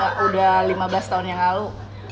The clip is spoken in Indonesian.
rasanya tetap sama ya udah lima belas tahun yang lalu